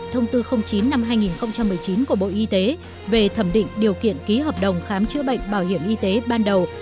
thông tư chín năm hai nghìn một mươi chín của bộ y tế về thẩm định điều kiện ký hợp đồng khám chữa bệnh bảo hiểm y tế ban đầu